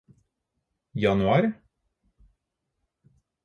januar